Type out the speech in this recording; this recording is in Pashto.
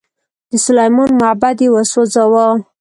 د سلیمان معبد یې وسوځاوه.